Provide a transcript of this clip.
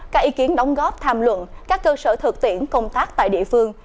các ý kiến đóng góp tham luận các cơ sở thực tiễn công tác tại địa phương